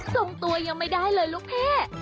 ส่งตัวยังไม่ได้เลยลูกพี่